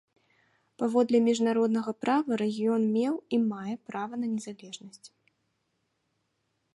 Паводле міжнароднага права рэгіён меў і мае права на незалежнасць.